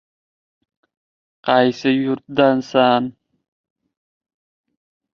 — Qaysi yurtdansan? — deb so‘radi.